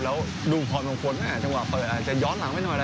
แล้วดูพรมงคลจังหวะเปิดอาจจะย้อนหลังไปหน่อยนะ